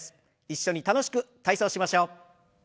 一緒に楽しく体操しましょう。